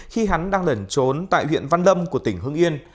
khi hắn đang lẩn trốn tại huyện văn lâm của tỉnh hưng yên